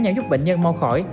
nhằm giúp bệnh nhân mau khỏi